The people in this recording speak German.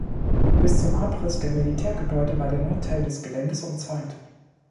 Bis zum Abriss der Militärgebäude war der Nordteil des Geländes umzäunt.